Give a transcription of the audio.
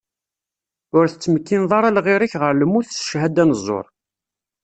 Ur tettmekkineḍ ara lɣir-ik ɣer lmut s cchada n ẓẓur.